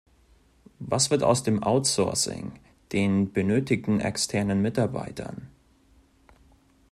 Was wird aus dem outsourcing, den benötigten externen Mitarbeitern?